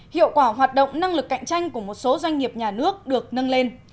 hiệu quả hoạt động năng lực cạnh tranh của một số doanh nghiệp nhà nước được nâng lên